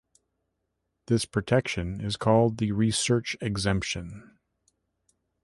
This protection is called the "research exemption".